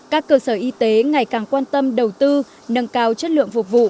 các cơ sở y tế ngày càng quan tâm đầu tư nâng cao chất lượng phục vụ